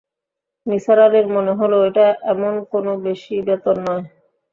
নিসার আলির মনে হল, এটা এমন কোনো বেশি বেতন নয়।